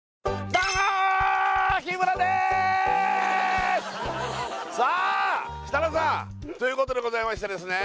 どうも日村でーすさあ設楽さんということでございましてですね